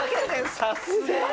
さすがに！